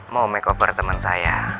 mau makeover temen saya